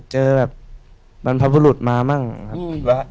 เจอแบบบรรพบุรุษมามั่งครับ